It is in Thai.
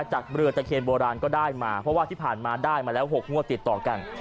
จากเรือตะเคียนโบราณก็ได้มาเพราะว่าที่ผ่านมาได้มาแล้ว๖งวดติดต่อกัน